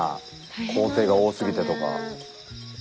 工程が多すぎてとか。